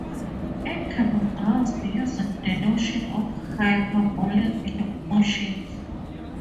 It can be grasped using the notion of hyperbolic motions.